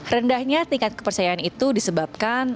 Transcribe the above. rendahnya tingkat kepercayaan itu disebabkan